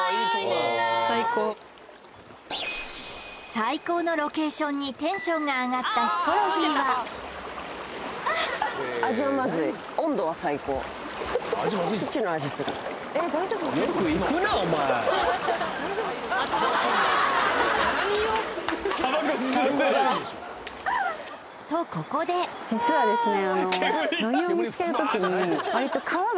最高のロケーションにとここで実はですね